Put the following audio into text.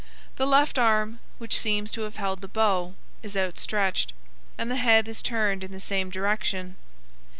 The left arm, which seems to have held the bow, is outstretched, and the head is turned in the same direction.